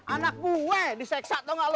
anak gue diseksat tau gak lu